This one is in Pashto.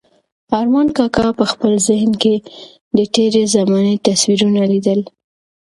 ارمان کاکا په خپل ذهن کې د تېرې زمانې تصویرونه لیدل.